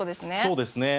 そうですね。